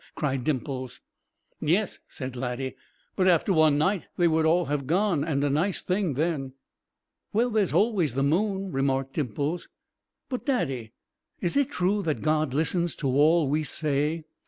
cried Dimples. "Yes," said Laddie; "but after one night they would all have gone, and a nice thing then!" "Well, there's always the moon," remarked Dimples. "But, Daddy, is it true that God listens to all we say?"